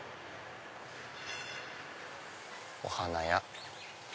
お花屋。